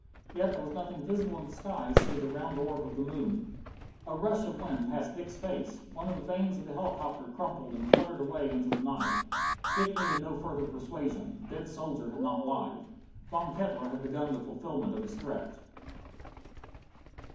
Yet there was nothing visible in the skies save the round orb of the moon. A rush of wind past Dick's face! One of the vanes of the helicopter crumpled and fluttered away into the night. Dick needed no further persuasion. The dead soldier had not lied. Von Kettler had begun the fulfillment of his threat!